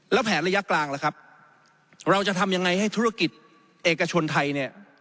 แล้วแผนระยะกลางล่ะครับเราจะทำยังไงให้ธุรกิจเอกชนไทยเนี่ย